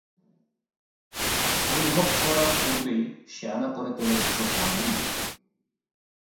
অনুভব করবার পূর্বেই সেয়ানা করে তোলে চোখে আঙুল দিয়ে।